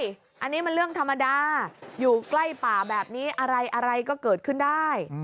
อันนี้มันเรื่องธรรมดาอยู่ใกล้ป่าแบบนี้อะไรก็เกิดขึ้นได้